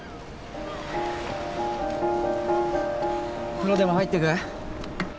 風呂でも入ってく？